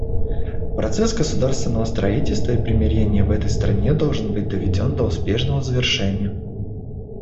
Процесс государственного строительства и примирения в этой стране должен быть доведен до успешного завершения.